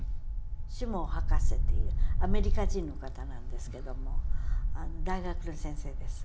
シュモー博士というアメリカ人の方なんですけども大学の先生です。